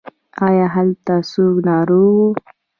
ایا هلته څوک ناروغ و؟